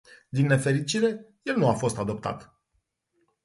Din nefericire, el nu a fost adoptat.